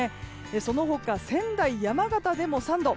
その他、仙台、山形でも３度。